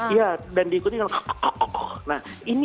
iya dan diikuti dengan